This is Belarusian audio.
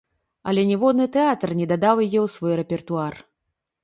Але ніводны тэатр не дадаў яе ў свой рэпертуар.